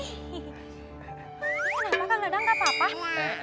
kenapa kang dadang gak apa apa